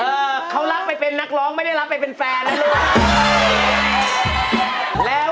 เออเขารักไปเป็นนักร้องไม่ได้รับไปเป็นแฟนนั่นลูก